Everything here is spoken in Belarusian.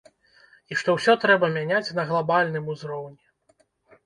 І што ўсё трэба мяняць на глабальным узроўні.